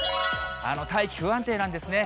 大気不安定なんですね。